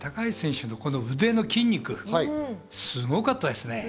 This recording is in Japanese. さっき高橋選手の腕の筋肉すごかったですね。